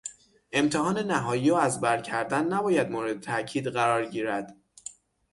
امتحان نهایی و از برکردن نباید مورد تاکید قرار گیرد.